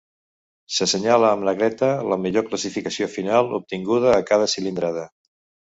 S'assenyala amb negreta la millor classificació final obtinguda a cada cilindrada.